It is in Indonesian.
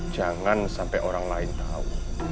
jangan sampai orang lain tahu